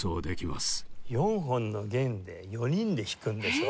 ４本の弦で４人で弾くんでしょ？